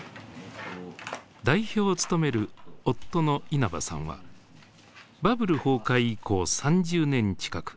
代表を務める夫の稲葉さんはバブル崩壊以降３０年近く